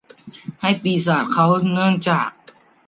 ให้ปีศาจเขาเนื่องจาก